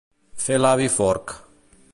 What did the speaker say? Fer l'avi Forc.